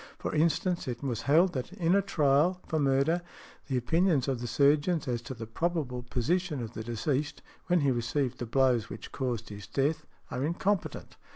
For instance, it was held that in a trial for murder the opinions of the surgeons as to the probable position of the deceased, when he received the blows which caused his death, are incompetent.